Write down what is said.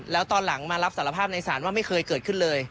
แล้วตอนหลังมารับสารภาพในศาลว่าไม่เคยเกิดขึ้นเลย